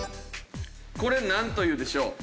これなんというでしょう？